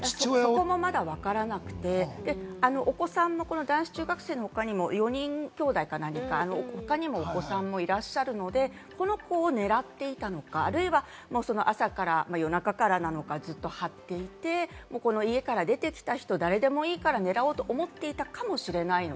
そこもまだわからなくて、男子中学生の他にも４人きょうだいか何か、他にもお子さんもいらっしゃるので、この子をねらっていたのか、或いは朝から夜中からなのか、ずっと張っていて、家から出てきた人、誰でもいいから狙おうと思っていたかもしれない。